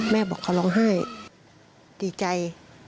บอกเขาร้องไห้ดีใจ